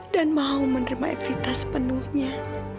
dan mau menerima evita sepenuhnya